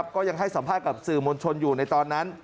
ก็ยังให้สัมภาษณ์กับสื่อมวลชนอยู่ในตอนนั้น